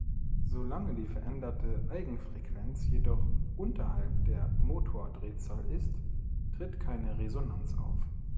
Solange die veränderte Eigenfrequenz jedoch unterhalb der Motordrehzahl ist, tritt keine Resonanz auf.